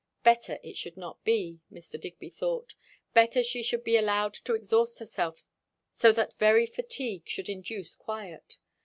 Better it should not be, Mr. Digby thought; better she should be allowed to exhaust herself so that very fatigue should induce quiet.